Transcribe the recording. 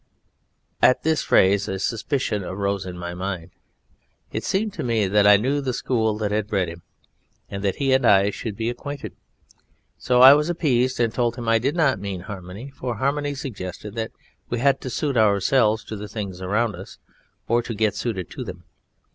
At this phrase a suspicion rose in my mind; it seemed to me that I knew the school that had bred him, and that he and I should be acquainted. So I was appeased and told him I did not mean Harmony, for Harmony suggested that we had to suit ourselves to the things around us or to get suited to them.